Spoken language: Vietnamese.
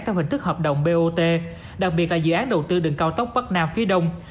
theo hình thức hợp đồng bot đặc biệt là dự án đầu tư đường cao tốc bắc nam phía đông